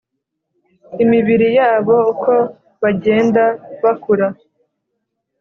imibiri yabo uko bagenda bakura